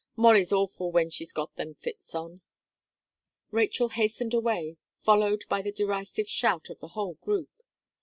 Molly's awful when she's got them fits on." Rachel hastened away, followed by the derisive shout of the whole group.